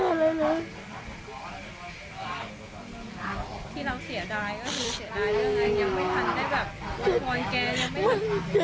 ที่เราเสียดายก็ดูเสียดายเลย